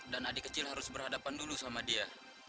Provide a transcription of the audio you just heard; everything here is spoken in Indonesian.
dan adik kecil harus berhadapan dulu sama dia